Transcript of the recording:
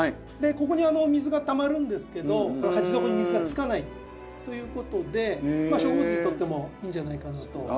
ここに水がたまるんですけど鉢底に水がつかないということで植物にとってもいいんじゃないかなと。